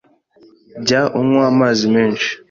Jya unywa amazi menshi